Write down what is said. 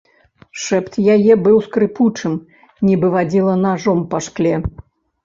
Шэпт яе быў скрыпучым, нібы вадзіла нажом па шкле.